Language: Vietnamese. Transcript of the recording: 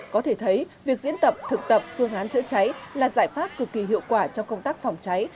có thể thấy việc diễn tập thực tập phương án chữa cháy là giải pháp cực kỳ hiệu quả trong công tác phòng cháy